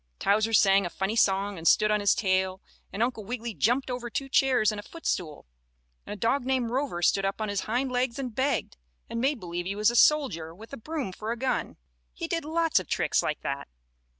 Towser sang a funny song and stood on his tail, and Uncle Wiggily jumped over two chairs and a footstool, and a dog named Rover stood up on his hind legs and begged, and made believe he was a soldier with a broom for a gun, and did lots of tricks like that.